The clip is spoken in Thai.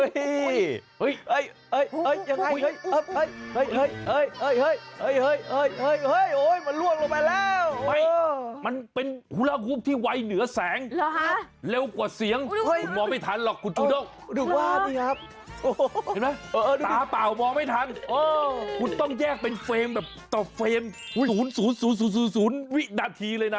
ฮูลาฮุ้มที่วัยเหนือแสงเร็วกว่าเสียงคุณมองไม่ทันหรอกคุณจูโด๊กตาเปล่ามองไม่ทันคุณต้องแยกเป็นเฟรมต่อเฟรมศูนย์ศูนย์ศูนย์ศูนย์ศูนย์วินาทีเลยนะ